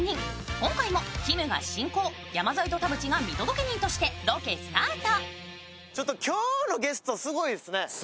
今回もきむが進行、山添と田渕が見届け人としてロケスタート。